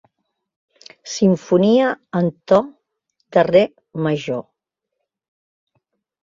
Simfonia en to de re major.